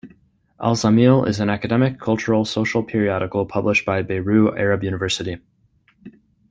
"Al Zamil" is an academic, cultural, social periodical published by Beirut Arab University.